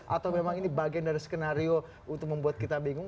atau memang ini bagian dari skenario untuk membuat kita bingung